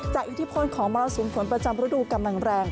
อิทธิพลของมรสุมฝนประจำฤดูกำลังแรง